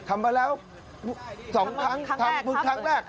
ทำมาแล้ว๒ครั้งทำเพิ่งครั้งแรก